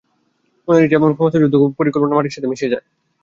মনের ইচ্ছা এবং সমস্ত যুদ্ধ পরিকল্পনা মাটির সাথে মিশে যায়।